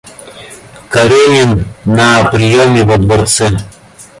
Каренин на приеме во дворце.